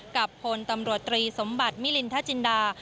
พลตำรวจตรีสมบัติมิลินทจินดา